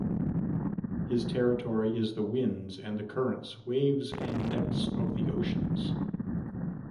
His territory is the winds and the currents, waves and depths of the oceans.